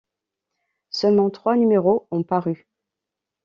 Seulement trois numéros ont paru.